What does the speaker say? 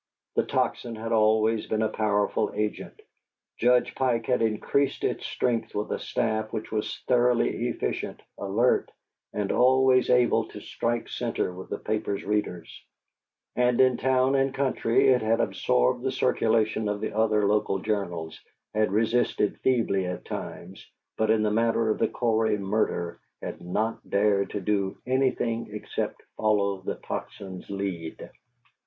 The Tocsin had always been a powerful agent; Judge Pike had increased its strength with a staff which was thoroughly efficient, alert, and always able to strike centre with the paper's readers; and in town and country it had absorbed the circulation of the other local journals, which resisted feebly at times, but in the matter of the Cory murder had not dared to do anything except follow the Tocsin's lead.